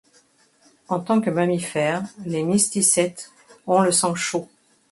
En tant que mammifères, les mysticètes ont le sang chaud.